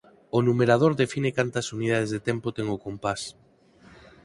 O numerador define cantas unidades de tempo ten o compás.